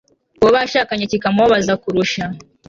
uwo bashakanye kikamubabaza kurusha